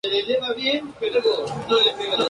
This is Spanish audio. Maestra de Deportes de Rusia.